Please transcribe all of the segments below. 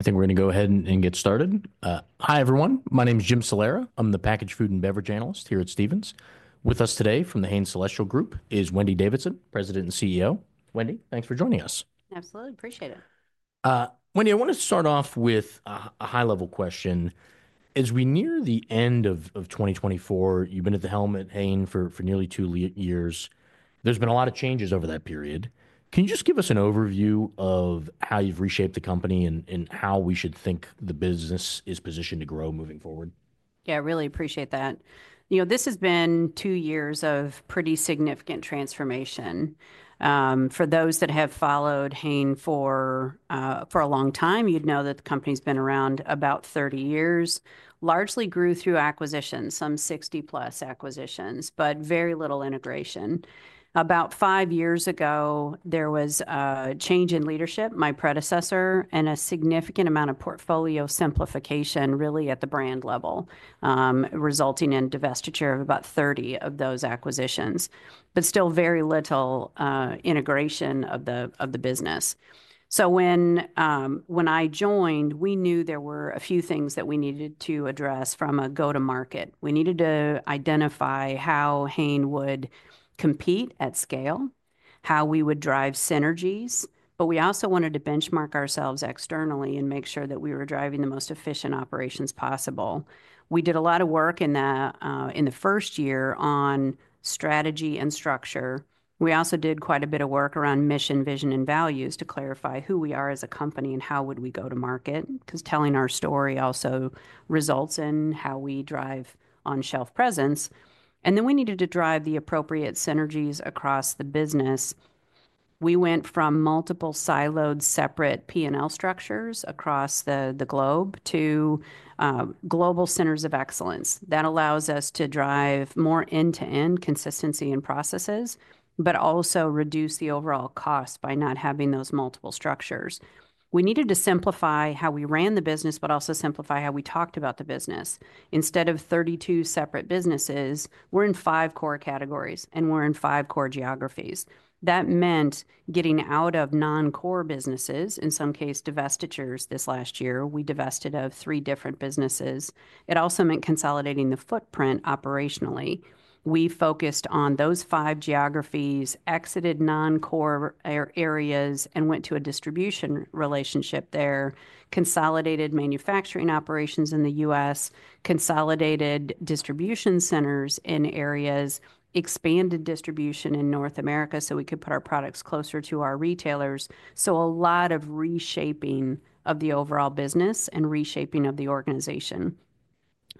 I think we're going to go ahead and get started. Hi, everyone. My name is Jim Salera. I'm the Packaged Food and Beverage Analyst here at Stephens. With us today from the Hain Celestial Group is Wendy Davidson, President and CEO. Wendy, thanks for joining us. Absolutely. Appreciate it. Wendy, I want to start off with a high-level question. As we near the end of 2024, you've been at the helm at Hain for nearly two years. There's been a lot of changes over that period. Can you just give us an overview of how you've reshaped the company and how we should think the business is positioned to grow moving forward? Yeah, I really appreciate that. You know, this has been two years of pretty significant transformation. For those that have followed Hain for a long time, you'd know that the company's been around about 30 years. Largely grew through acquisitions, some 60+ acquisitions, but very little integration. About five years ago, there was a change in leadership, my predecessor, and a significant amount of portfolio simplification, really at the brand level, resulting in divestiture of about 30 of those acquisitions, but still very little integration of the business. So when I joined, we knew there were a few things that we needed to address from a go-to-market. We needed to identify how Hain would compete at scale, how we would drive synergies, but we also wanted to benchmark ourselves externally and make sure that we were driving the most efficient operations possible. We did a lot of work in the first year on strategy and structure. We also did quite a bit of work around mission, vision, and values to clarify who we are as a company and how would we go to market, because telling our story also results in how we drive on-shelf presence. And then we needed to drive the appropriate synergies across the business. We went from multiple siloed, separate P&L structures across the globe to global centers of excellence. That allows us to drive more end-to-end consistency in processes, but also reduce the overall cost by not having those multiple structures. We needed to simplify how we ran the business, but also simplify how we talked about the business. Instead of 32 separate businesses, we're in five core categories, and we're in five core geographies. That meant getting out of non-core businesses, in some cases divestitures this last year. We divested of three different businesses. It also meant consolidating the footprint operationally. We focused on those five geographies, exited non-core areas, and went to a distribution relationship there, consolidated manufacturing operations in the U.S., consolidated distribution centers in areas, expanded distribution in North America so we could put our products closer to our retailers. So a lot of reshaping of the overall business and reshaping of the organization.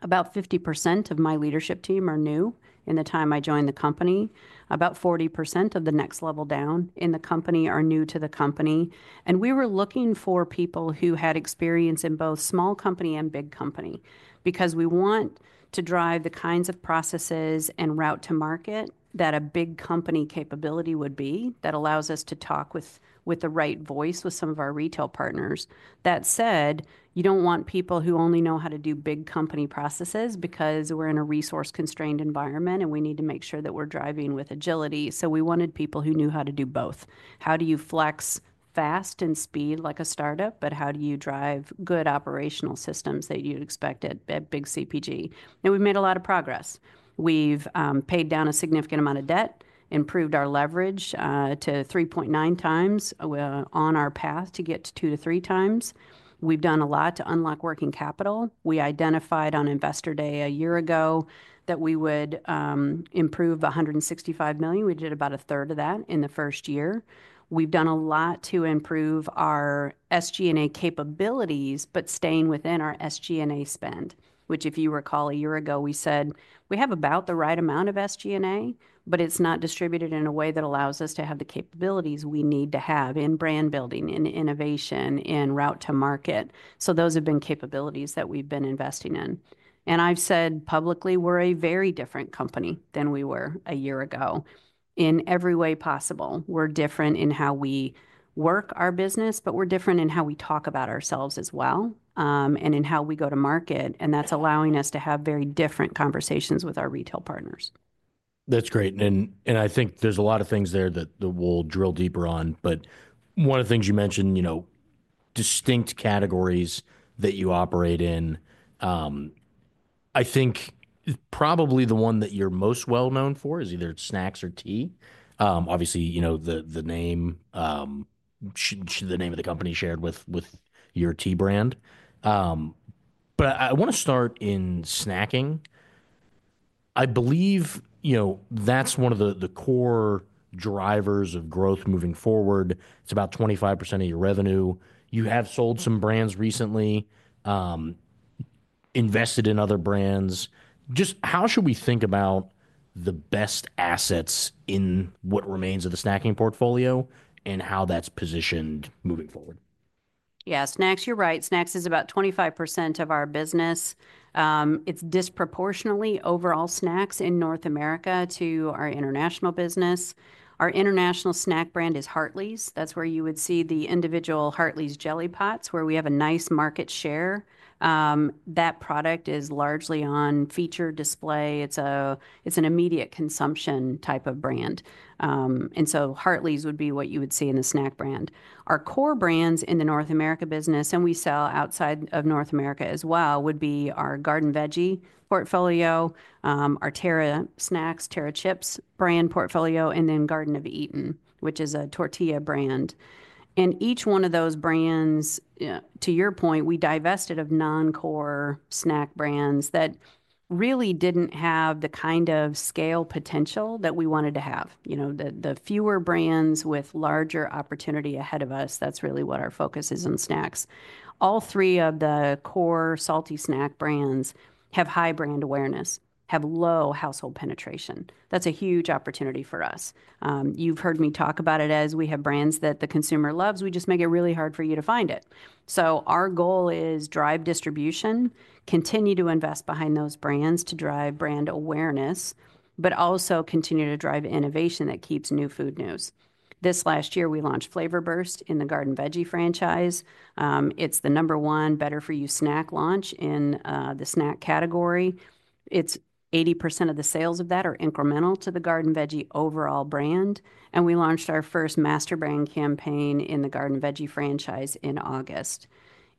About 50% of my leadership team are new in the time I joined the company. About 40% of the next level down in the company are new to the company. We were looking for people who had experience in both small company and big company because we want to drive the kinds of processes and route to market that a big company capability would be that allows us to talk with the right voice with some of our retail partners. That said, you don't want people who only know how to do big company processes because we're in a resource-constrained environment and we need to make sure that we're driving with agility. We wanted people who knew how to do both. How do you flex fast and speed like a startup, but how do you drive good operational systems that you'd expect at big CPG? We've made a lot of progress. We've paid down a significant amount of debt, improved our leverage to 3.9x on our path to get to 2-3 times. We've done a lot to unlock working capital. We identified on investor day a year ago that we would improve $165 million. We did about 1/3 of that in the first year. We've done a lot to improve our SG&A capabilities, but staying within our SG&A spend, which if you recall, a year ago we said we have about the right amount of SG&A, but it's not distributed in a way that allows us to have the capabilities we need to have in brand building, in innovation, in route to market. So those have been capabilities that we've been investing in. And I've said publicly we're a very different company than we were a year ago. In every way possible, we're different in how we work our business, but we're different in how we talk about ourselves as well and in how we go to market. That's allowing us to have very different conversations with our retail partners. That's great. And I think there's a lot of things there that we'll drill deeper on. But one of the things you mentioned, you know, distinct categories that you operate in, I think probably the one that you're most well known for is either snacks or tea. Obviously, you know, the name of the company shared with your tea brand. But I want to start in snacking. I believe, you know, that's one of the core drivers of growth moving forward. It's about 25% of your revenue. You have sold some brands recently, invested in other brands. Just how should we think about the best assets in what remains of the snacking portfolio and how that's positioned moving forward? Yeah, snacks, you're right. Snacks is about 25% of our business. It's disproportionately overall snacks in North America to our international business. Our international snack brand is Hartley's. That's where you would see the individual Hartley's jelly pots where we have a nice market share. That product is largely on feature display. It's an immediate consumption type of brand. And so Hartley's would be what you would see in the snack brand. Our core brands in the North America business, and we sell outside of North America as well, would be our Garden Veggie portfolio, our Terra Snacks, Terra Chips brand portfolio, and then Garden of Eatin', which is a tortilla brand. And each one of those brands, to your point, we divested of non-core snack brands that really didn't have the kind of scale potential that we wanted to have. You know, the fewer brands with larger opportunity ahead of us, that's really what our focus is on snacks. All three of the core salty snack brands have high brand awareness, have low household penetration. That's a huge opportunity for us. You've heard me talk about it as we have brands that the consumer loves. We just make it really hard for you to find it. So our goal is drive distribution, continue to invest behind those brands to drive brand awareness, but also continue to drive innovation that keeps new food news. This last year, we launched Flavor Burst in the Garden Veggie franchise. It's the number one better-for-you snack launch in the snack category. It's 80% of the sales of that are incremental to the Garden Veggie overall brand. And we launched our first master brand campaign in the Garden Veggie franchise in August.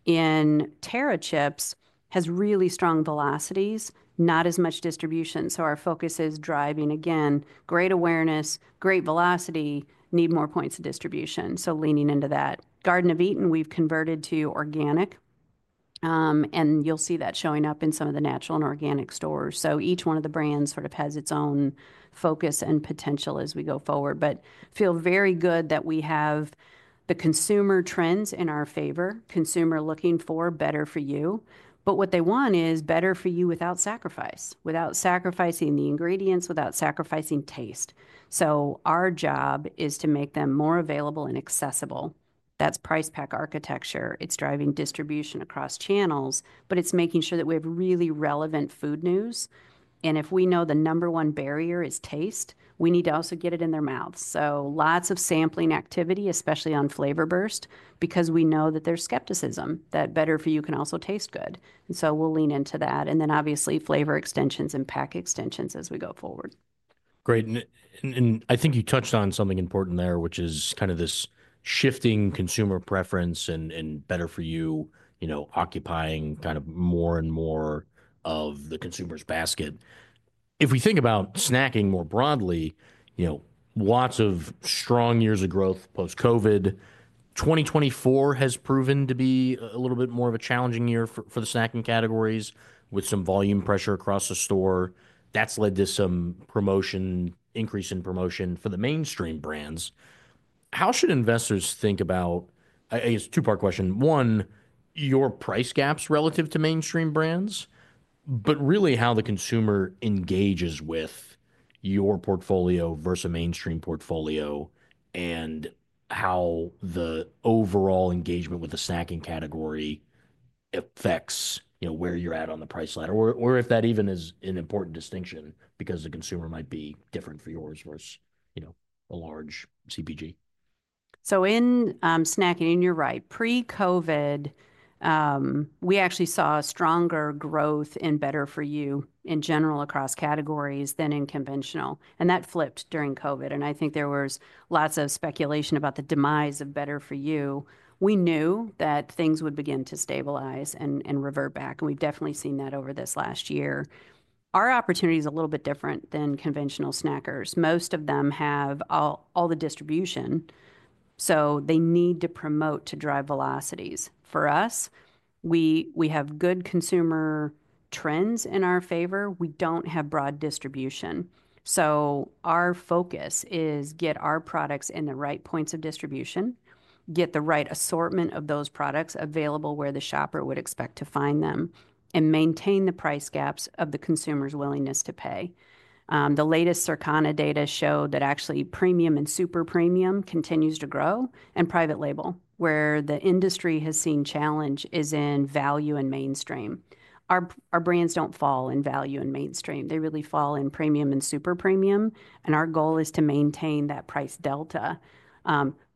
Terra Chips has really strong velocities, not as much distribution. Our focus is driving, again, great awareness, great velocity, and more points of distribution. We are leaning into that. Garden of Eatin', we've converted to organic. You'll see that showing up in some of the natural and organic stores. Each one of the brands sort of has its own focus and potential as we go forward. I feel very good that we have the consumer trends in our favor, with consumers looking for better-for-you. What they want is better-for-you without sacrifice, without sacrificing the ingredients, without sacrificing taste. Our job is to make them more available and accessible. That's price pack architecture. It's driving distribution across channels, but it's making sure that we have really relevant food news. And if we know the number one barrier is taste, we need to also get it in their mouth. So lots of sampling activity, especially on Flavor Burst, because we know that there's skepticism that better-for-you can also taste good. And so we'll lean into that. And then obviously flavor extensions and pack extensions as we go forward. Great. And I think you touched on something important there, which is kind of this shifting consumer preference and better-for-you, you know, occupying kind of more and more of the consumer's basket. If we think about snacking more broadly, you know, lots of strong years of growth post-COVID. 2024 has proven to be a little bit more of a challenging year for the snacking categories with some volume pressure across the store. That's led to some promotion, increase in promotion for the mainstream brands. How should investors think about, I guess, two-part question. One, your price gaps relative to mainstream brands, but really how the consumer engages with your portfolio versus a mainstream portfolio and how the overall engagement with the snacking category affects, you know, where you're at on the price ladder, or if that even is an important distinction because the consumer might be different for yours versus, you know, a large CPG. So in snacking, and you're right, pre-COVID, we actually saw stronger growth in better-for-you in general across categories than in conventional. And that flipped during COVID. And I think there was lots of speculation about the demise of better-for-you. We knew that things would begin to stabilize and revert back. And we've definitely seen that over this last year. Our opportunity is a little bit different than conventional snackers. Most of them have all the distribution. So they need to promote to drive velocities. For us, we have good consumer trends in our favor. We don't have broad distribution. So our focus is to get our products in the right points of distribution, get the right assortment of those products available where the shopper would expect to find them, and maintain the price gaps of the consumer's willingness to pay. The latest Circana data show that actually premium and super premium continues to grow, and private label, where the industry has seen challenge, is in value and mainstream. Our brands don't fall in value and mainstream. They really fall in premium and super premium, and our goal is to maintain that price delta.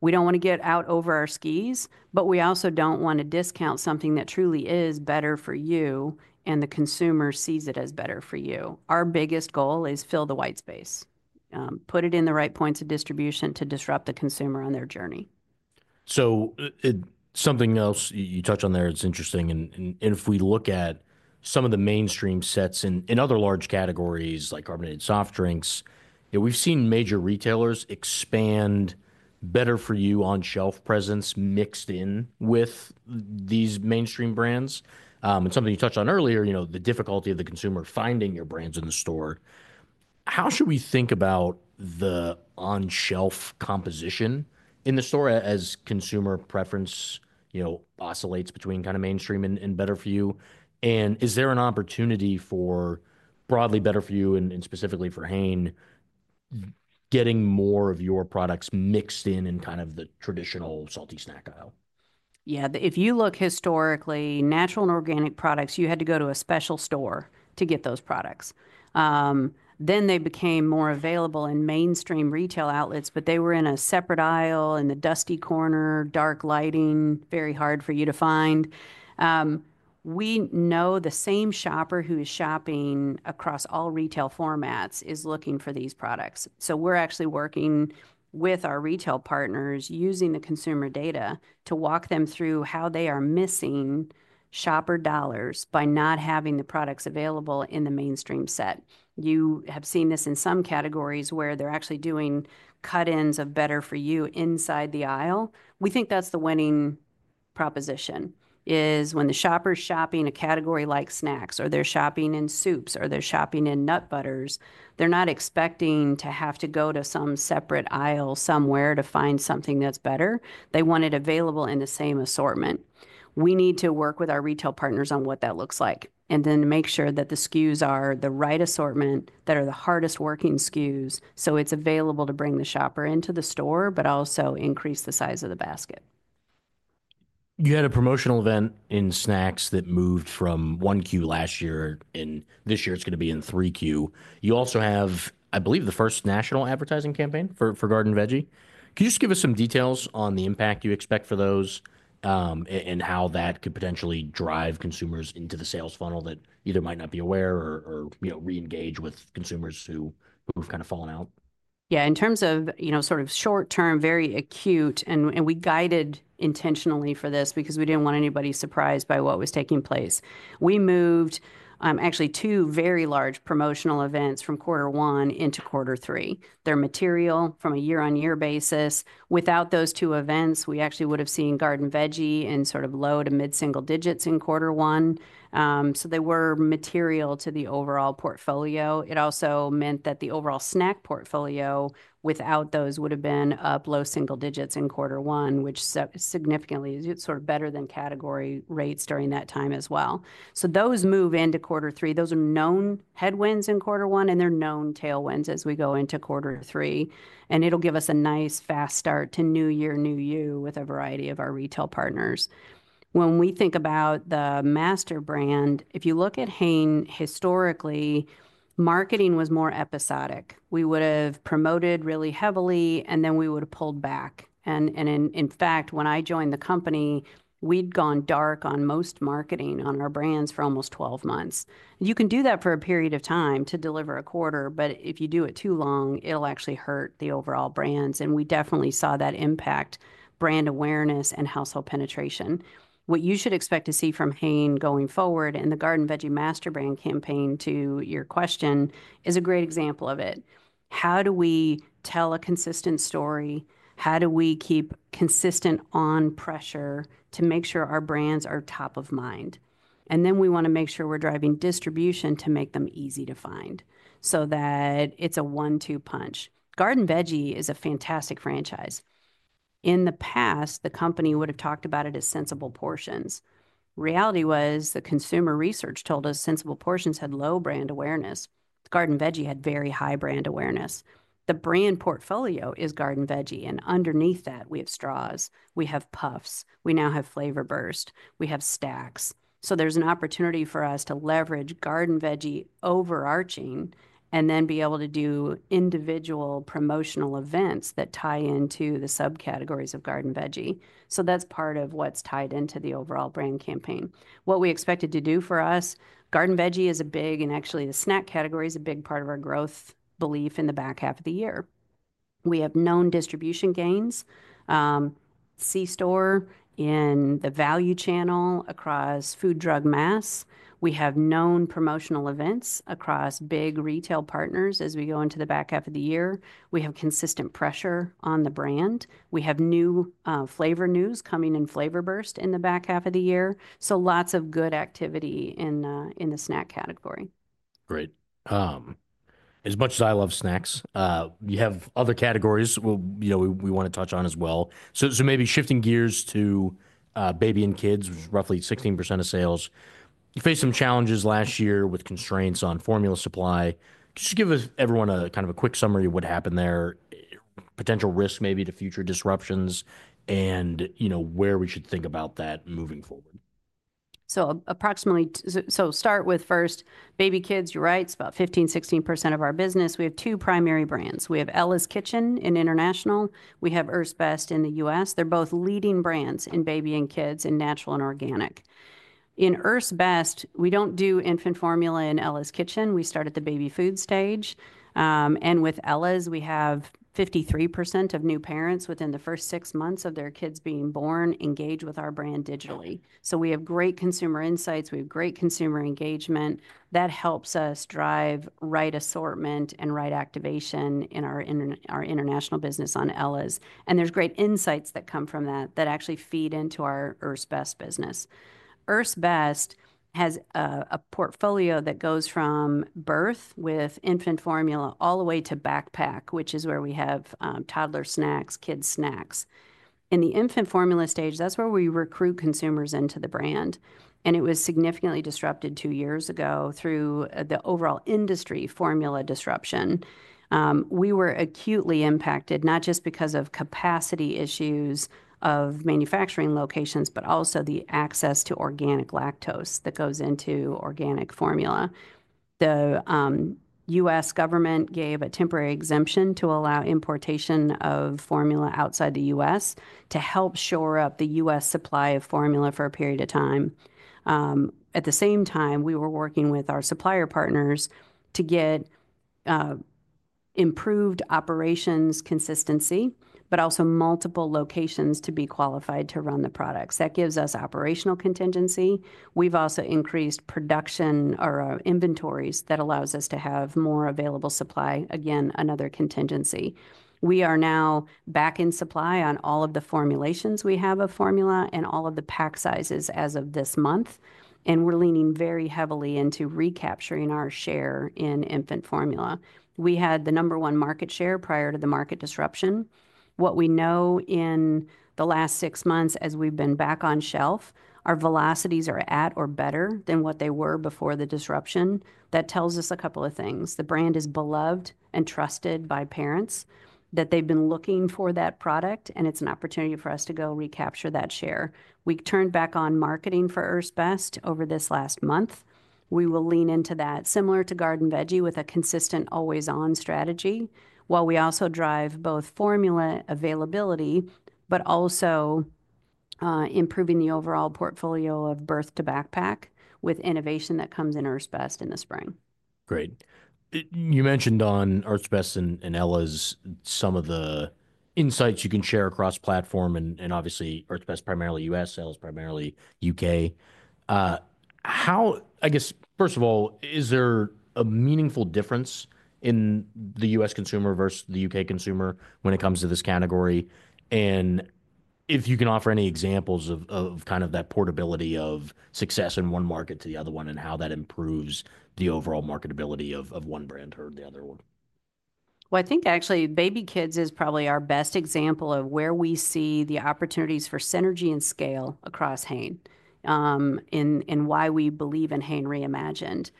We don't want to get out over our skis, but we also don't want to discount something that truly is better-for-you, and the consumer sees it as better-for-you. Our biggest goal is to fill the white space, put it in the right points of distribution to disrupt the consumer on their journey. So something else you touch on there is interesting. And if we look at some of the mainstream sets in other large categories like carbonated soft drinks, you know, we've seen major retailers expand better-for-you on-shelf presence mixed in with these mainstream brands. And something you touched on earlier, you know, the difficulty of the consumer finding your brands in the store. How should we think about the on-shelf composition in the store as consumer preference, you know, oscillates between kind of mainstream and better-for-you? And is there an opportunity for broadly better-for-you and specifically for Hain getting more of your products mixed in in kind of the traditional salty snack aisle? Yeah, if you look historically, natural and organic products, you had to go to a special store to get those products. Then they became more available in mainstream retail outlets, but they were in a separate aisle in the dusty corner, dark lighting, very hard for you to find. We know the same shopper who is shopping across all retail formats is looking for these products. So we're actually working with our retail partners using the consumer data to walk them through how they are missing shopper dollars by not having the products available in the mainstream set. You have seen this in some categories where they're actually doing cut-ins of better-for-you inside the aisle. We think that's the winning proposition is when the shopper's shopping a category like snacks or they're shopping in soups or they're shopping in nut butters, they're not expecting to have to go to some separate aisle somewhere to find something that's better. They want it available in the same assortment. We need to work with our retail partners on what that looks like and then make sure that the SKUs are the right assortment that are the hardest working SKUs so it's available to bring the shopper into the store, but also increase the size of the basket. You had a promotional event in snacks that moved from Q1 last year, and this year it's going to be in Q3. You also have, I believe, the first national advertising campaign for Garden Veggie. Could you just give us some details on the impact you expect for those and how that could potentially drive consumers into the sales funnel that either might not be aware or, you know, re-engage with consumers who have kind of fallen out? Yeah, in terms of, you know, sort of short term, very acute, and we guided intentionally for this because we didn't want anybody surprised by what was taking place. We moved actually two very large promotional events from Q1 into Q3. They're material from a year-on-year basis. Without those two events, we actually would have seen Garden Veggie in sort of low to mid-single digits in Q1. So they were material to the overall portfolio. It also meant that the overall snack portfolio without those would have been up low single digits in Q1, which significantly is sort of better than category rates during that time as well. So those move into Q3. Those are known headwinds in Q1, and they're known tailwinds as we go into Q3. And it'll give us a nice fast start to new year, new you with a variety of our retail partners. When we think about the master brand, if you look at Hain historically, marketing was more episodic. We would have promoted really heavily, and then we would have pulled back. And in fact, when I joined the company, we'd gone dark on most marketing on our brands for almost 12 months. You can do that for a period of time to deliver a quarter, but if you do it too long, it'll actually hurt the overall brands. And we definitely saw that impact brand awareness and household penetration. What you should expect to see from Hain going forward, and the Garden Veggie master brand campaign, to your question, is a great example of it. How do we tell a consistent story? How do we keep consistent on pressure to make sure our brands are top of mind? And then we want to make sure we're driving distribution to make them easy to find so that it's a one-two punch. Garden Veggie is a fantastic franchise. In the past, the company would have talked about it as Sensible Portions. Reality was the consumer research told us Sensible Portions had low brand awareness. Garden Veggie had very high brand awareness. The brand portfolio is Garden Veggie. And underneath that, we have Straws. We have Puffs. We now have Flavor Burst. We have stacks. So there's an opportunity for us to leverage Garden Veggie overarching and then be able to do individual promotional events that tie into the subcategories of Garden Veggie. So that's part of what's tied into the overall brand campaign. What we expected to do for us, Garden Veggie is a big, and actually the snack category is a big part of our growth belief in the back half of the year. We have known distribution gains, C-store in the value channel across food, drug, mass. We have known promotional events across big retail partners as we go into the back half of the year. We have consistent pressure on the brand. We have new flavor news coming in Flavor Burst in the back half of the year. So lots of good activity in the snack category. Great. As much as I love snacks, you have other categories we want to touch on as well, so maybe shifting gears to baby and kids, which is roughly 16% of sales. You faced some challenges last year with constraints on formula supply. Just give everyone a kind of a quick summary of what happened there, potential risk maybe to future disruptions, and you know where we should think about that moving forward. So approximately, so start with first Baby / Kids, you're right, it's about 15-16% of our business. We have two primary brands. We have Ella's Kitchen in international. We have Earth's Best in the U.S. They're both leading brands in baby and kids in natural and organic. In Earth's Best, we don't do infant formula in Ella's Kitchen. We start at the baby food stage. And with Ella's, we have 53% of new parents within the first six months of their kids being born engage with our brand digitally. So we have great consumer insights. We have great consumer engagement. That helps us drive right assortment and right activation in our international business on Ella's. And there's great insights that come from that that actually feed into our Earth's Best business. Earth's Best has a portfolio that goes from birth with infant formula all the way to backpack, which is where we have toddler snacks, kids' snacks. In the infant formula stage, that's where we recruit consumers into the brand. It was significantly disrupted two years ago through the overall industry formula disruption. We were acutely impacted not just because of capacity issues of manufacturing locations, but also the access to organic lactose that goes into organic formula. The U.S. government gave a temporary exemption to allow importation of formula outside the U.S. to help shore up the U.S. supply of formula for a period of time. At the same time, we were working with our supplier partners to get improved operations consistency, but also multiple locations to be qualified to run the products. That gives us operational contingency. We've also increased production or inventories that allows us to have more available supply. Again, another contingency. We are now back in supply on all of the formulations. We have a formula and all of the pack sizes as of this month. And we're leaning very heavily into recapturing our share in infant formula. We had the number one market share prior to the market disruption. What we know in the last six months as we've been back on shelf, our velocities are at or better than what they were before the disruption. That tells us a couple of things. The brand is beloved and trusted by parents that they've been looking for that product, and it's an opportunity for us to go recapture that share. We turned back on marketing for Earth's Best over this last month. We will lean into that similar to Garden Veggie with a consistent always-on strategy while we also drive both formula availability, but also improving the overall portfolio of birth to backpack with innovation that comes in Earth's Best in the spring. Great. You mentioned on Earth's Best and Ella's some of the insights you can share across platform and obviously Earth's Best primarily U.S., Ella's primarily U.K. How, I guess, first of all, is there a meaningful difference in the U.S. consumer versus the U.K. consumer when it comes to this category? And if you can offer any examples of kind of that portability of success in one market to the other one and how that improves the overall marketability of one brand or the other one. I think actually Baby / Kids is probably our best example of where we see the opportunities for synergy and scale across Hain and why we believe in Hain Reimagined.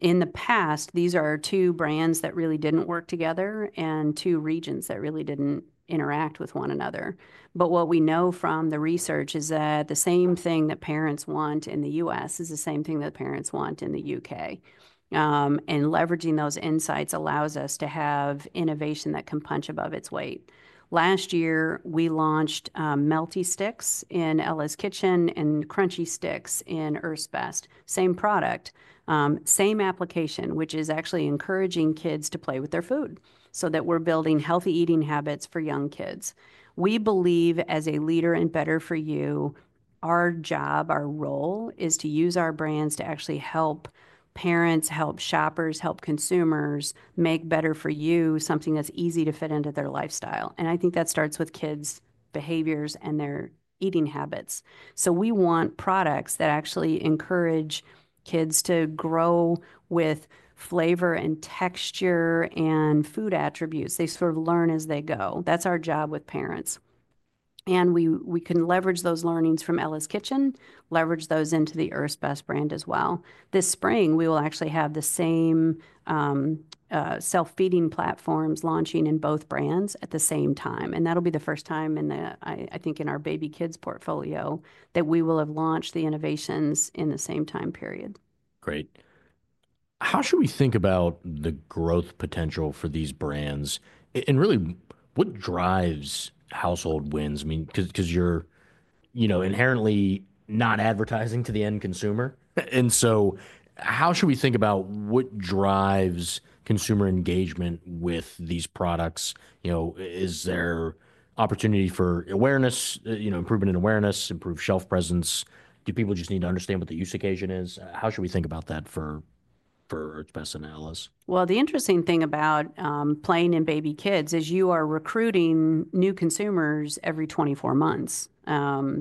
In the past, these are two brands that really didn't work together and two regions that really didn't interact with one another. But what we know from the research is that the same thing that parents want in the U.S. is the same thing that parents want in the U.K. And leveraging those insights allows us to have innovation that can punch above its weight. Last year, we launched Melty Sticks in Ella's Kitchen and Crunchy Sticks in Earth's Best. Same product, same application, which is actually encouraging kids to play with their food so that we're building healthy eating habits for young kids. We believe as a leader in better-for-you, our job, our role is to use our brands to actually help parents, help shoppers, help consumers make better-for-you something that's easy to fit into their lifestyle, and I think that starts with kids' behaviors and their eating habits, so we want products that actually encourage kids to grow with flavor and texture and food attributes. They sort of learn as they go. That's our job with parents, and we can leverage those learnings from Ella's Kitchen, leverage those into the Earth's Best brand as well. This spring, we will actually have the same self-feeding platforms launching in both brands at the same time, and that'll be the first time in the, I think, our Baby / Kids portfolio that we will have launched the innovations in the same time period. Great. How should we think about the growth potential for these brands? And really, what drives household wins? I mean, because you're, you know, inherently not advertising to the end consumer. And so how should we think about what drives consumer engagement with these products? You know, is there opportunity for awareness, you know, improvement in awareness, improved shelf presence? Do people just need to understand what the use occasion is? How should we think about that for Earth's Best and Ella's? The interesting thing about playing in Baby / Kids is you are recruiting new consumers every 24 months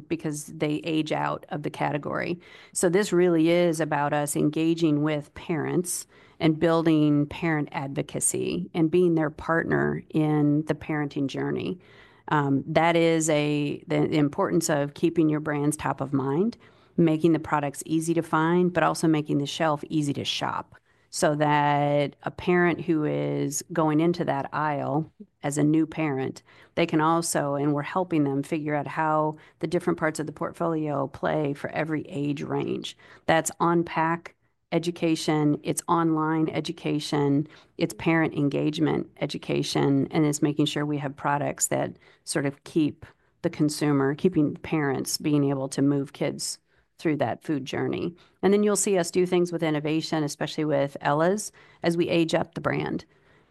because they age out of the category. This really is about us engaging with parents and building parent advocacy and being their partner in the parenting journey. That is the importance of keeping your brands top of mind, making the products easy to find, but also making the shelf easy to shop so that a parent who is going into that aisle as a new parent, they can also, and we're helping them figure out how the different parts of the portfolio play for every age range. That's on pack education. It's online education. It's parent engagement education. It's making sure we have products that sort of keep the consumer, keeping parents being able to move kids through that food journey. And then you'll see us do things with innovation, especially with Ella's, as we age up the brand.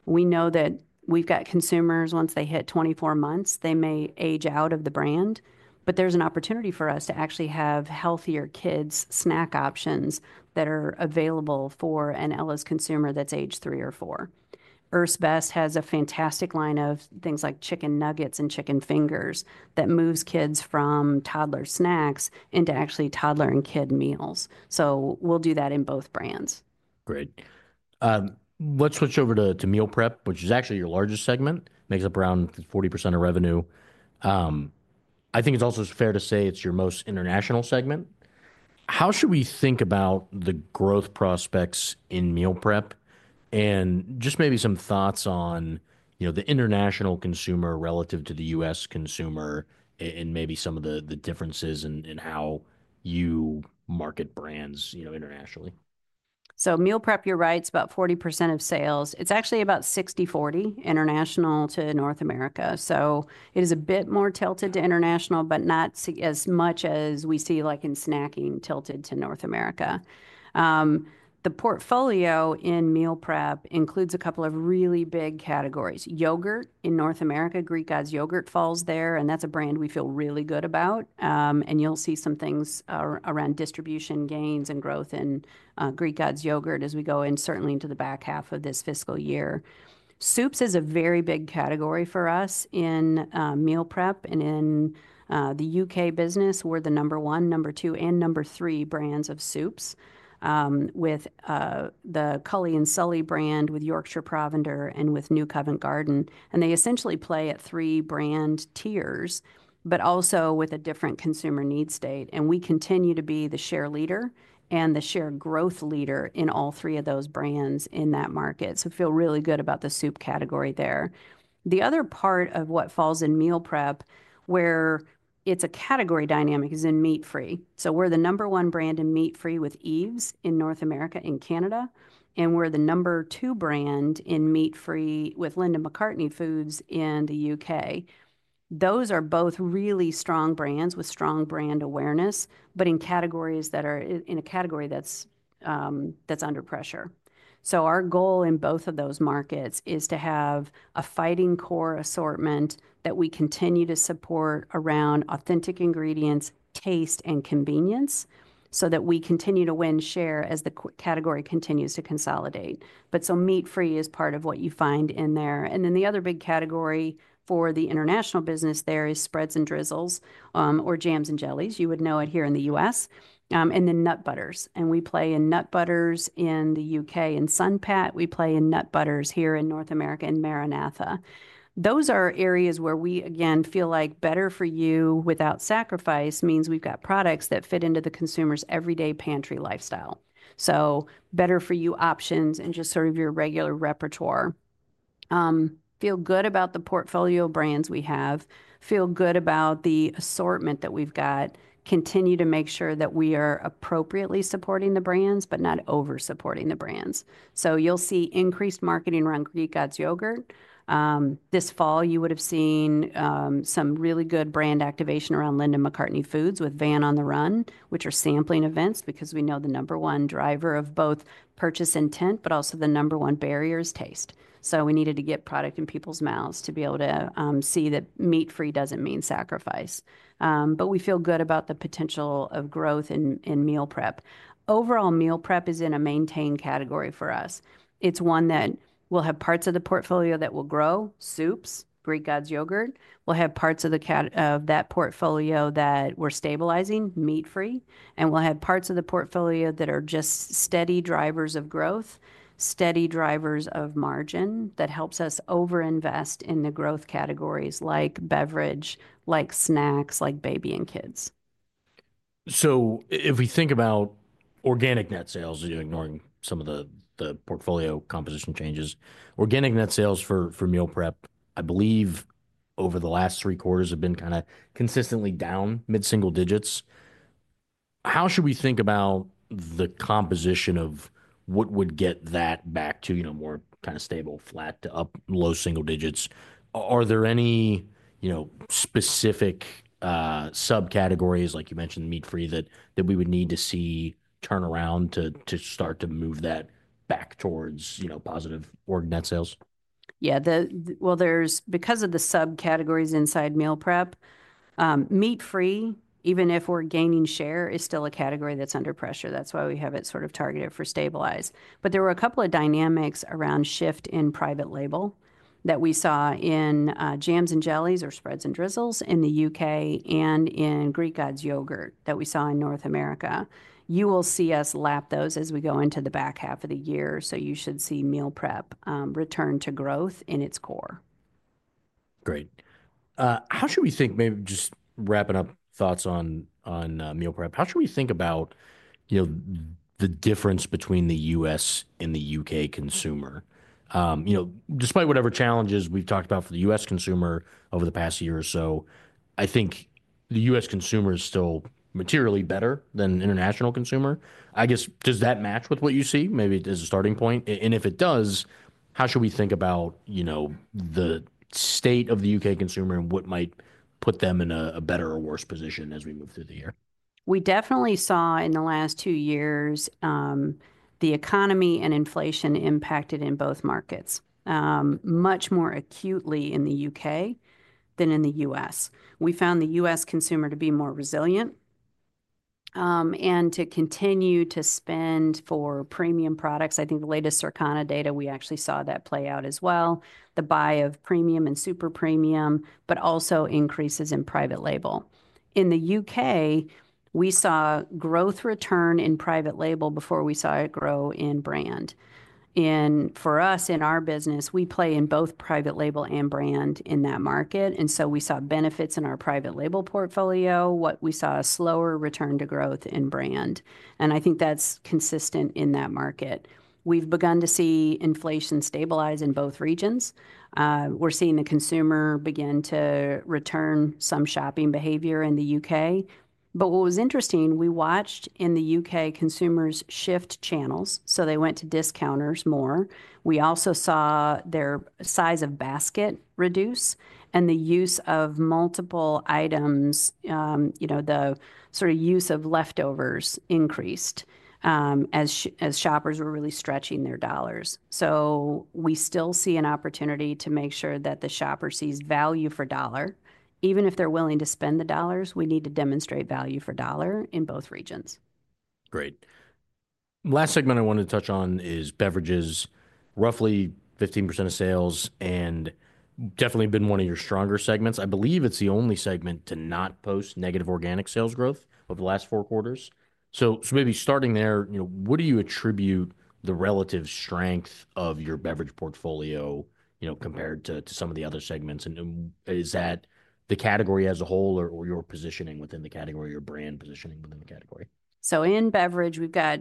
We know that we've got consumers once they hit 24 months, they may age out of the brand, but there's an opportunity for us to actually have healthier kids' snack options that are available for an Ella's consumer that's aged three or four. Earth's Best has a fantastic line of things like chicken nuggets and chicken fingers that moves kids from toddler snacks into actually toddler and kid meals. So we'll do that in both brands. Great. Let's switch over to Meal Prep, which is actually your largest segment, makes up around 40% of revenue. I think it's also fair to say it's your most international segment. How should we think about the growth prospects in Meal Prep? And just maybe some thoughts on, you know, the international consumer relative to the U.S. consumer and maybe some of the differences in how you market brands, you know, internationally. Meal Prep, you're right, it's about 40% of sales. It's actually about 60-40 international to North America. It is a bit more tilted to international, but not as much as we see like in snacking tilted to North America. The portfolio in Meal Prep includes a couple of really big categories. Yogurt in North America, Greek Gods Yogurt falls there, and that's a brand we feel really good about. You'll see some things around distribution gains and growth in Greek Gods Yogurt as we go in certainly into the back half of this fiscal year. Soups is a very big category for us in Meal Prep and in the U.K. business. We're the number one, number two, and number three brands of soups with the Cully & Sully brand, with Yorkshire Provender and with New Covent Garden. And they essentially play at three brand tiers, but also with a different consumer need state. And we continue to be the share leader and the share growth leader in all three of those brands in that market. So I feel really good about the soup category there. The other part of what falls in Meal Prep where it's a category dynamic is in meat-free. So we're the number one brand in meat-free with Yves in North America and Canada. And we're the number two brand in meat-free with Linda McCartney Foods in the U.K. Those are both really strong brands with strong brand awareness, but in categories that are in a category that's under pressure. So our goal in both of those markets is to have a fighting core assortment that we continue to support around authentic ingredients, taste, and convenience so that we continue to win share as the category continues to consolidate. But so meat-free is part of what you find in there. And then the other big category for the international business there is spreads and drizzles or jams and jellies. You would know it here in the U.S. and then nut butters. And we play in nut butters in the U.K. and Sun-Pat. We play in nut butters here in North America and MaraNatha. Those are areas where we again feel like better-for-you without sacrifice means we've got products that fit into the consumer's everyday pantry lifestyle. So better-for-you options and just sort of your regular repertoire. Feel good about the portfolio brands we have. Feel good about the assortment that we've got. Continue to make sure that we are appropriately supporting the brands, but not oversupporting the brands. So you'll see increased marketing around Greek Gods Yogurt. This fall, you would have seen some really good brand activation around Linda McCartney Foods with Van on the Run, which are sampling events because we know the number one driver of both purchase intent, but also the number one barrier is taste. So we needed to get product in people's mouths to be able to see that meat-free doesn't mean sacrifice. But we feel good about the potential of growth in Meal Prep. Overall, Meal Prep is in a maintain category for us. It's one that we'll have parts of the portfolio that will grow soups, Greek Gods Yogurt. We'll have parts of that portfolio that we're stabilizing meat-free. We'll have parts of the portfolio that are just steady drivers of growth, steady drivers of margin that helps us overinvest in the growth categories like Beverage, like Snacks, like Baby and Kids. So if we think about organic net sales, ignoring some of the portfolio composition changes, organic net sales for Meal Prep, I believe over the last three quarters have been kind of consistently down mid-single digits. How should we think about the composition of what would get that back to, you know, more kind of stable, flat to up low single digits? Are there any, you know, specific subcategories like you mentioned meat-free that we would need to see turn around to start to move that back towards, you know, positive organic net sales? Yeah, well, there's because of the subcategories inside Meal Prep, meat-free, even if we're gaining share, is still a category that's under pressure. That's why we have it sort of targeted for stabilize. But there were a couple of dynamics around shift in private label that we saw in jams and jellies or spreads and drizzles in the U.K. and in Greek Gods Yogurt that we saw in North America. You will see us lap those as we go into the back half of the year. So you should see Meal Prep return to growth in its core. Great. How should we think, maybe just wrapping up thoughts on Meal Prep, how should we think about, you know, the difference between the U.S. and the U.K. consumer? You know, despite whatever challenges we've talked about for the U.S. consumer over the past year or so, I think the U.S. consumer is still materially better than international consumer. I guess, does that match with what you see maybe as a starting point? and if it does, how should we think about, you know, the state of the U.K. consumer and what might put them in a better or worse position as we move through the year? We definitely saw in the last two years the economy and inflation impacted in both markets much more acutely in the U.K. than in the U.S. We found the U.S. consumer to be more resilient and to continue to spend for premium products. I think the latest Circana data we actually saw that play out as well. The buy of premium and super premium, but also increases in private label. In the U.K., we saw growth return in private label before we saw it grow in brand, and for us in our business, we play in both private label and brand in that market, and so we saw benefits in our private label portfolio, but we saw a slower return to growth in brand, and I think that's consistent in that market. We've begun to see inflation stabilize in both regions. We're seeing the consumer begin to return some shopping behavior in the U.K. But what was interesting, we watched in the U.K. consumers shift channels. So they went to discounters more. We also saw their size of basket reduce and the use of multiple items, you know, the sort of use of leftovers increased as shoppers were really stretching their dollars. So we still see an opportunity to make sure that the shopper sees value for dollar. Even if they're willing to spend the dollars, we need to demonstrate value for dollar in both regions. Great. Last segment I wanted to touch on is beverages, roughly 15% of sales and definitely been one of your stronger segments. I believe it's the only segment to not post negative organic sales growth over the last four quarters. So maybe starting there, you know, what do you attribute the relative strength of your Beverage portfolio, you know, compared to some of the other segments? And is that the category as a whole or your positioning within the category, your brand positioning within the category? So in Beverage, we've got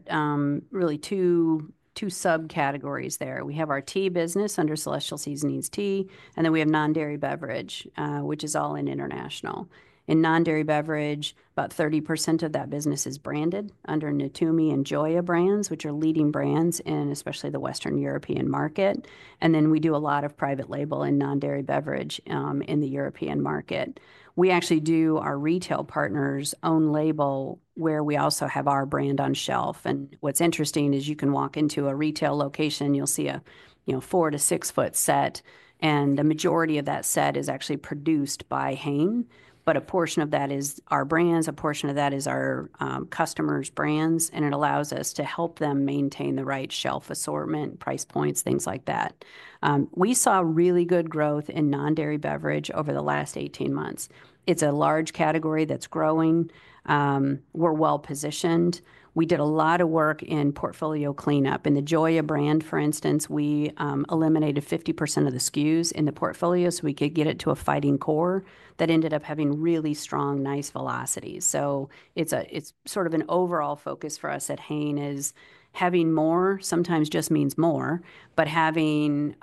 really two subcategories there. We have our tea business under Celestial Seasonings Tea, and then we have non-dairy beverage, which is all in international. In non-dairy beverage, about 30% of that business is branded under Natumi and Joya brands, which are leading brands in especially the Western European market. And then we do a lot of private label and non-dairy beverage in the European market. We actually do our retail partners' own label where we also have our brand on shelf. What's interesting is you can walk into a retail location. You'll see a, you know, four- to six-foot set, and the majority of that set is actually produced by Hain, but a portion of that is our brands, a portion of that is our customers' brands, and it allows us to help them maintain the right shelf assortment, price points, things like that. We saw really good growth in non-dairy beverage over the last 18 months. It's a large category that's growing. We're well positioned. We did a lot of work in portfolio cleanup. In the Joya brand, for instance, we eliminated 50% of the SKUs in the portfolio so we could get it to a fighting core that ended up having really strong, nice velocity. It's sort of an overall focus for us at Hain. Having more sometimes just means more, but having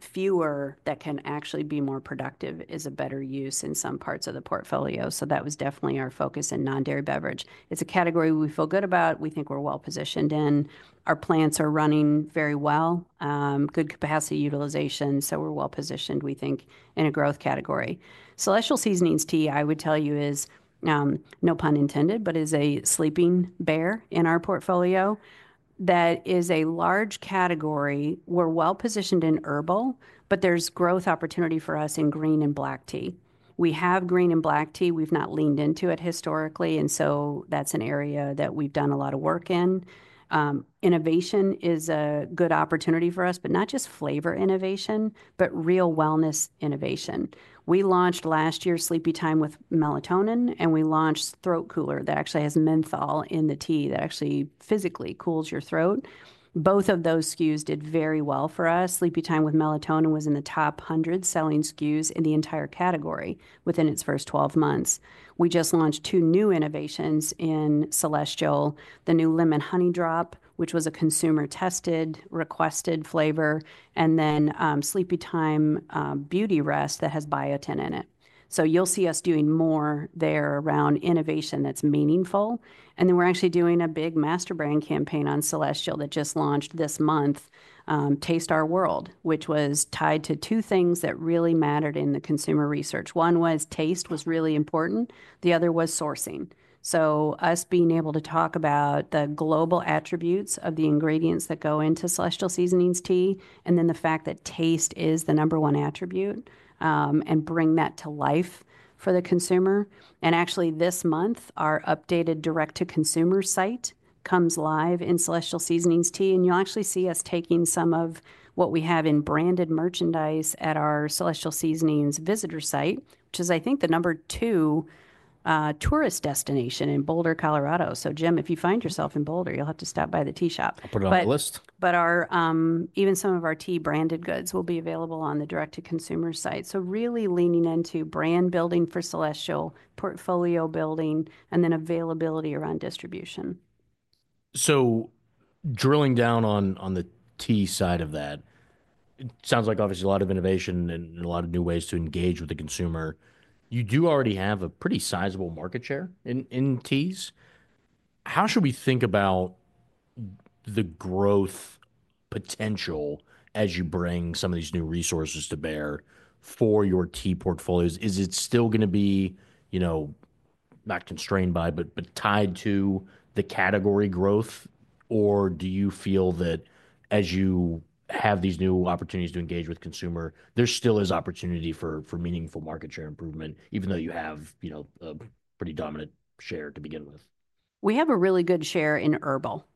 fewer that can actually be more productive is a better use in some parts of the portfolio. That was definitely our focus in non-dairy beverage. It's a category we feel good about. We think we're well positioned in. Our plants are running very well, good capacity utilization. We're well positioned, we think, in a growth category. Celestial Seasonings Tea, I would tell you, is, no pun intended, a sleeping bear in our portfolio. That is a large category. We're well positioned in herbal, but there's growth opportunity for us in green and black tea. We have green and black tea. We've not leaned into it historically. That's an area that we've done a lot of work in. Innovation is a good opportunity for us, but not just flavor innovation, but real wellness innovation. We launched last year Sleepytime with Melatonin, and we launched Throat Cooler that actually has menthol in the tea that actually physically cools your throat. Both of those SKUs did very well for us. Sleepytime with Melatonin was in the top 100 selling SKUs in the entire category within its first 12 months. We just launched two new innovations in Celestial, the new Lemon Honey Drop, which was a consumer tested requested flavor, and then Sleepytime Beauty Rest that has biotin in it. So you'll see us doing more there around innovation that's meaningful, and then we're actually doing a big master brand campaign on Celestial that just launched this month, Taste Our World, which was tied to two things that really mattered in the consumer research. One was taste was really important. The other was sourcing. So us being able to talk about the global attributes of the ingredients that go into Celestial Seasonings tea and then the fact that taste is the number one attribute and bring that to life for the consumer. And actually this month, our updated direct-to-consumer site comes live in Celestial Seasonings Tea. And you'll actually see us taking some of what we have in branded merchandise at our Celestial Seasonings visitor site, which is, I think, the number two tourist destination in Boulder, Colorado. So Jim, if you find yourself in Boulder, you'll have to stop by the tea shop. I'll put it on the list. But even some of our tea branded goods will be available on the direct-to-consumer site. So really leaning into brand building for Celestial, portfolio building, and then availability around distribution. So drilling down on the tea side of that, it sounds like obviously a lot of innovation and a lot of new ways to engage with the consumer. You do already have a pretty sizable market share in teas. How should we think about the growth potential as you bring some of these new resources to bear for your tea portfolios? Is it still going to be, you know, not constrained by, but tied to the category growth? Or do you feel that as you have these new opportunities to engage with consumer, there still is opportunity for meaningful market share improvement, even though you have, you know, a pretty dominant share to begin with? We have a really good share in herbal.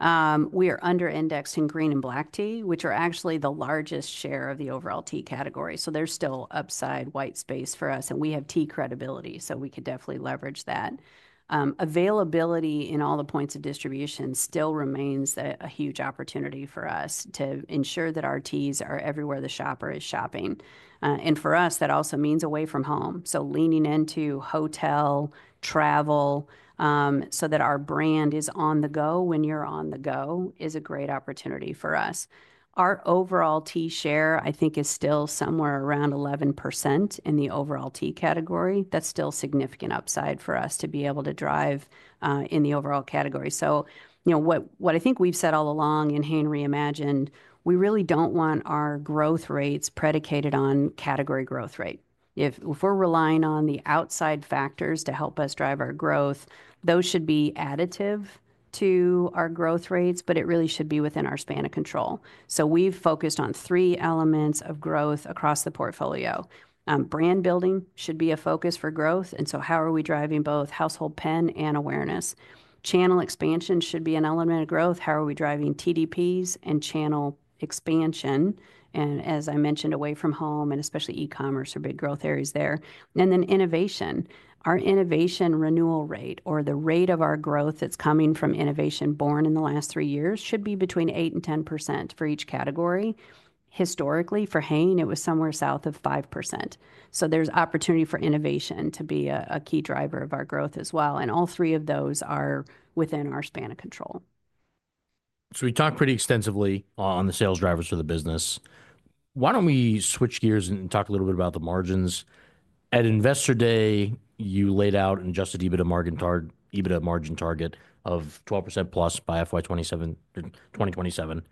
We are under-indexing green and black tea, which are actually the largest share of the overall tea category. So there's still upside white space for us. And we have tea credibility, so we could definitely leverage that. Availability in all the points of distribution still remains a huge opportunity for us to ensure that our teas are everywhere the shopper is shopping. And for us, that also means away from home. So leaning into hotel, travel, so that our brand is on the go when you're on the go is a great opportunity for us. Our overall tea share, I think, is still somewhere around 11% in the overall tea category. That's still significant upside for us to be able to drive in the overall category. So, you know, what I think we've said all along in Hain Reimagined, we really don't want our growth rates predicated on category growth rate. If we're relying on the outside factors to help us drive our growth, those should be additive to our growth rates, but it really should be within our span of control. So we've focused on three elements of growth across the portfolio. Brand building should be a focus for growth. And so how are we driving both household penetration and awareness? Channel expansion should be an element of growth. How are we driving TDPs and channel expansion? And as I mentioned, away from home and especially e-commerce are big growth areas there. And then innovation, our innovation renewal rate or the rate of our growth that's coming from innovation born in the last three years should be between 8% and 10% for each category. Historically, for Hain, it was somewhere south of 5%. So there's opportunity for innovation to be a key driver of our growth as well. And all three of those are within our span of control. So we talked pretty extensively on the sales drivers for the business. Why don't we switch gears and talk a little bit about the margins? At Investor Day, you laid out an adjusted EBITDA margin target of 12% plus by FY 2027.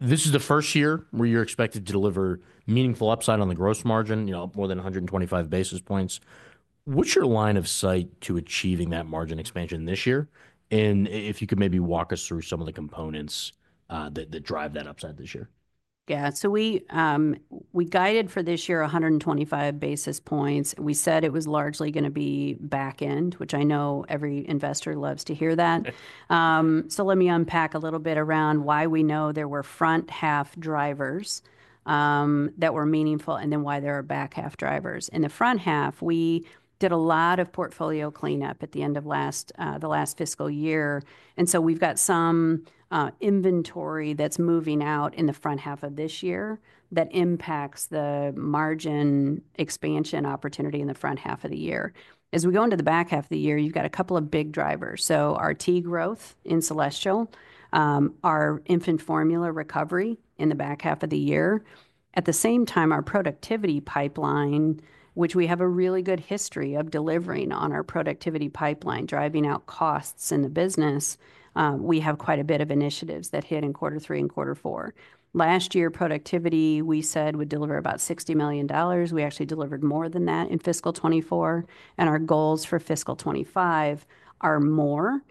This is the first year where you're expected to deliver meaningful upside on the gross margin, you know, more than 125 basis points. What's your line of sight to achieving that margin expansion this year? And if you could maybe walk us through some of the components that drive that upside this year. Yeah, so we guided for this year 125 basis points. We said it was largely going to be back end, which I know every investor loves to hear that. So let me unpack a little bit around why we know there were front half drivers that were meaningful and then why there are back half drivers. In the front half, we did a lot of portfolio cleanup at the end of the last fiscal year. And so we've got some inventory that's moving out in the front half of this year that impacts the margin expansion opportunity in the front half of the year. As we go into the back half of the year, you've got a couple of big drivers. So our tea growth in Celestial, our infant formula recovery in the back half of the year. At the same time, our productivity pipeline, which we have a really good history of delivering on our productivity pipeline, driving out costs in the business, we have quite a bit of initiatives that hit in Q3 and Q4. Last year, productivity, we said would deliver about $60 million. We actually delivered more than that in fiscal 2024, and our goals for fiscal 2025 are more,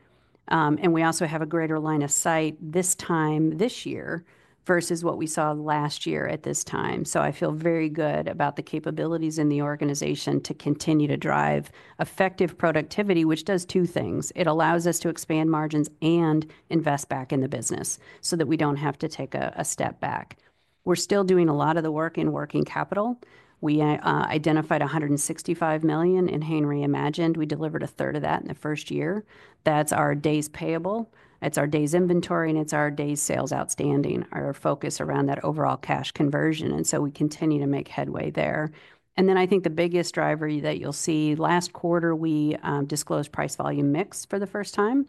and we also have a greater line of sight this time this year versus what we saw last year at this time, so I feel very good about the capabilities in the organization to continue to drive effective productivity, which does two things. It allows us to expand margins and invest back in the business so that we don't have to take a step back. We're still doing a lot of the work in working capital. We identified $165 million in Hain Reimagined. We delivered 1/3 of that in the first year. That's our days payable. It's our days inventory, and it's our days sales outstanding, our focus around that overall cash conversion. And so we continue to make headway there. And then I think the biggest driver that you'll see last quarter, we disclosed price volume mix for the first time.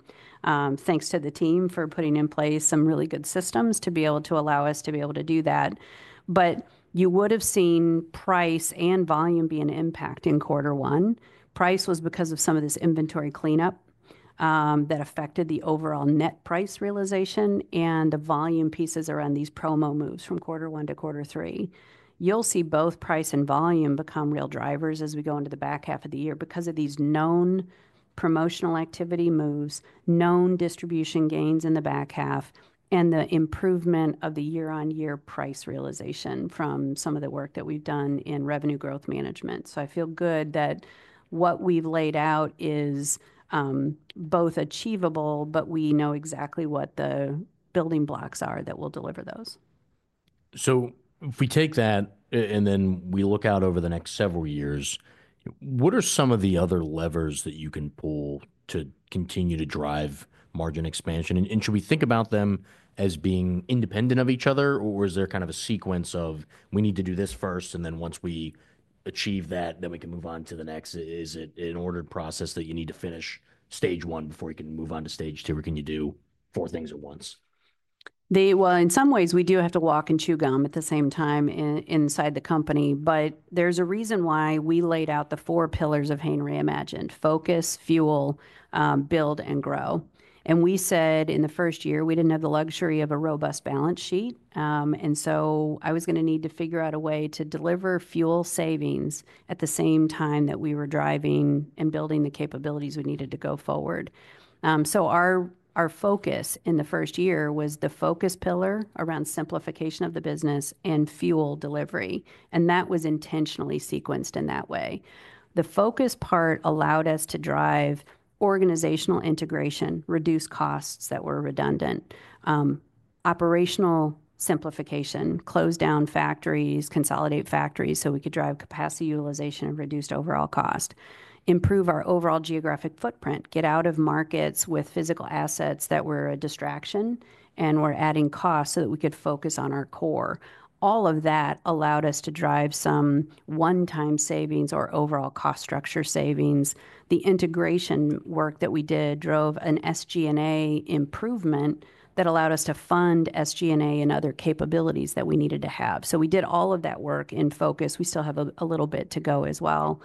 Thanks to the team for putting in place some really good systems to be able to allow us to be able to do that. But you would have seen price and volume be an impact in Q1. Price was because of some of this inventory cleanup that affected the overall net price realization and the volume pieces around these promo moves from Q1 to Q3. You'll see both price and volume become real drivers as we go into the back half of the year because of these known promotional activity moves, known distribution gains in the back half, and the improvement of the year-on-year price realization from some of the work that we've done in revenue growth management. So I feel good that what we've laid out is both achievable, but we know exactly what the building blocks are that will deliver those. So if we take that and then we look out over the next several years, what are some of the other levers that you can pull to continue to drive margin expansion? And should we think about them as being independent of each other, or is there kind of a sequence of we need to do this first, and then once we achieve that, then we can move on to the next? Is it an ordered process that you need to finish stage one before you can move on to stage two? Or can you do four things at once? Well, in some ways, we do have to walk and chew gum at the same time inside the company. But there's a reason why we laid out the four pillars of Hain Reimagined: Focus, Fuel, Build, and Grow. And we said in the first year, we didn't have the luxury of a robust balance sheet. And so I was going to need to figure out a way to deliver fuel savings at the same time that we were driving and building the capabilities we needed to go forward. So our focus in the first year was the Focus pillar around simplification of the business and Fuel delivery. And that was intentionally sequenced in that way. The Focus part allowed us to drive organizational integration, reduce costs that were redundant, operational simplification, close down factories, consolidate factories so we could drive capacity utilization and reduced overall cost, improve our overall geographic footprint, get out of markets with physical assets that were a distraction, and we're adding costs so that we could focus on our core. All of that allowed us to drive some one-time savings or overall cost structure savings. The integration work that we did drove an SG&A improvement that allowed us to fund SG&A and other capabilities that we needed to have. So we did all of that work in focus. We still have a little bit to go as well.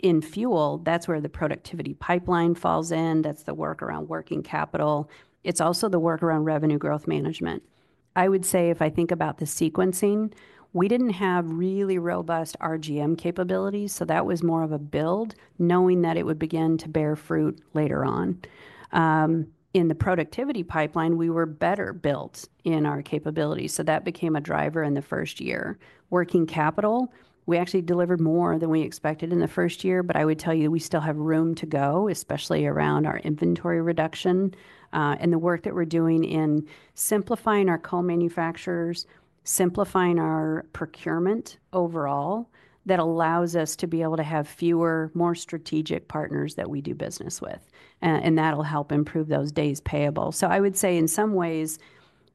In Fuel, that's where the productivity pipeline falls in. That's the work around working capital. It's also the work around revenue growth management. I would say if I think about the sequencing, we didn't have really robust RGM capabilities, so that was more of a build, knowing that it would begin to bear fruit later on. In the productivity pipeline, we were better built in our capabilities, so that became a driver in the first year. Working capital, we actually delivered more than we expected in the first year, but I would tell you we still have room to go, especially around our inventory reduction and the work that we're doing in simplifying our co-manufacturers, simplifying our procurement overall that allows us to be able to have fewer, more strategic partners that we do business with, and that'll help improve those days payable. So I would say in some ways,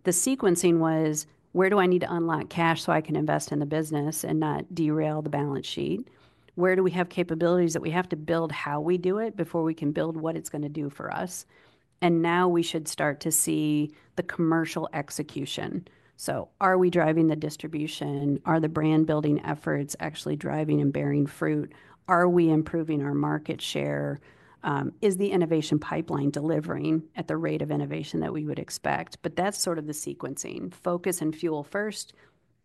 the sequencing was, where do I need to unlock cash so I can invest in the business and not derail the balance sheet? Where do we have capabilities that we have to build how we do it before we can build what it's going to do for us? And now we should start to see the commercial execution. So are we driving the distribution? Are the brand building efforts actually driving and bearing fruit? Are we improving our market share? Is the innovation pipeline delivering at the rate of innovation that we would expect? But that's sort of the sequencing. Focus and Fuel first,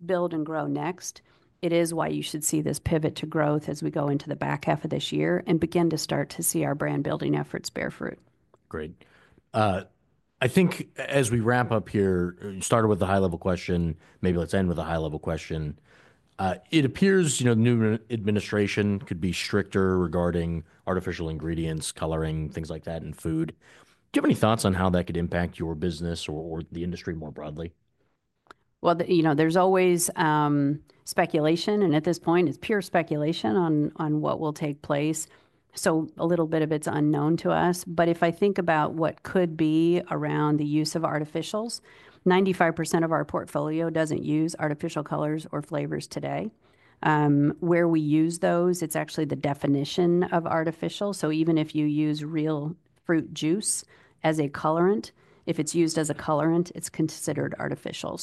build and grow next. It is why you should see this pivot to growth as we go into the back half of this year and begin to start to see our brand building efforts bear fruit. Great. I think as we wrap up here, you started with the high-level question. Maybe let's end with a high-level question. It appears the new administration could be stricter regarding artificial ingredients, coloring, things like that in food. Do you have any thoughts on how that could impact your business or the industry more broadly? You know, there's always speculation. At this point, it's pure speculation on what will take place. A little bit of it's unknown to us. If I think about what could be around the use of artificials, 95% of our portfolio doesn't use artificial colors or flavors today. Where we use those, it's actually the definition of artificial. Even if you use real fruit juice as a colorant, if it's used as a colorant, it's considered artificial.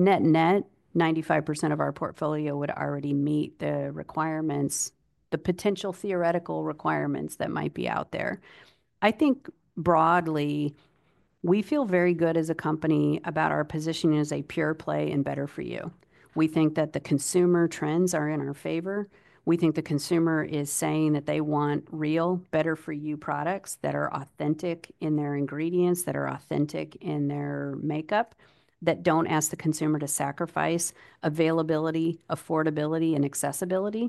Net-net, 95% of our portfolio would already meet the requirements, the potential theoretical requirements that might be out there. I think broadly, we feel very good as a company about our position as a pure play and better-for-you. We think that the consumer trends are in our favor. We think the consumer is saying that they want real, better-for-you products that are authentic in their ingredients, that are authentic in their makeup, that don't ask the consumer to sacrifice availability, affordability, and accessibility.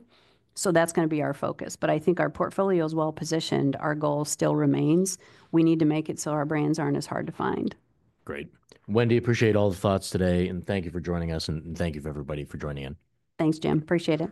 So that's going to be our focus. But I think our portfolio is well positioned. Our goal still remains. We need to make it so our brands aren't as hard to find. Great. Wendy, appreciate all the thoughts today. And thank you for joining us. And thank you for everybody for joining in. Thanks, Jim. Appreciate it.